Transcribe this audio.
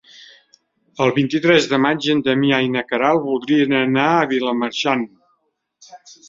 El vint-i-tres de maig en Damià i na Queralt voldrien anar a Vilamarxant.